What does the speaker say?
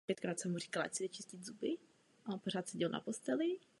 Co to konkrétně znamená?